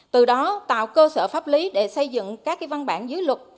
từ đó tạo cơ sở pháp lý để xây dựng các văn bản dưới luật